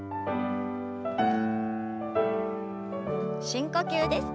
深呼吸です。